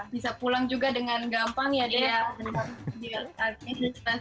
bisa pulang juga dengan gampang ya dead